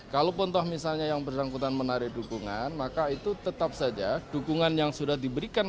kalaupun toh misalnya yang bersangkutan menarik dukungan maka itu tetap saja dukungan yang sudah diberikan